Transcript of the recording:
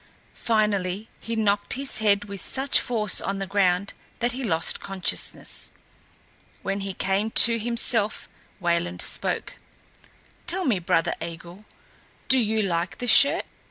Finally he knocked his head with such force on the ground that he lost consciousness. When he came to himself Wayland spoke: "Tell me, brother Eigil, do you like the shirt?"